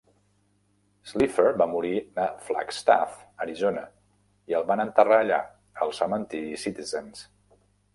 Slipher va morir a Flagstaff (Arizona) i el van enterrar allà, al cementiri Citizens.